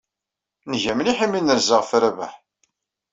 Nga mliḥ imi ay nerza ɣef Rabaḥ.